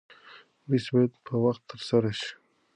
مرسته باید په وخت ترسره شي.